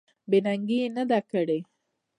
بې ننګي یې نه ده کړې.